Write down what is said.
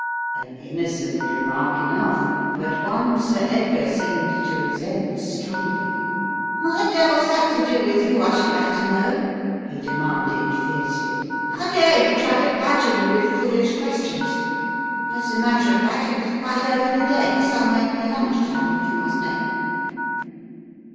An innocent remark enough, but one Sir Edgar seemed to resent strongly. "What the devil's that to do with you, I should Complications and Complexities 93 like to know?" he demanded fiercely. "How dare you try to badger me with foolish questions! As a matter of fact, it was quite early in the day. Some where near lunch time, if you must know."